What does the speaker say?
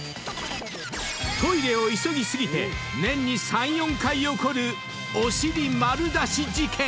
［トイレを急ぎ過ぎて年に３４回起こるお尻丸出し事件⁉］